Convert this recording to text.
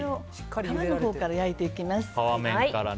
皮のほうから焼いていきます。